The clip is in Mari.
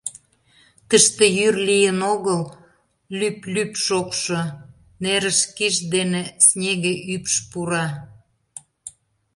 Тыште йӱр лийын огыл, лӱп-лӱп шокшо, нерыш киш дене снеге ӱпш пура.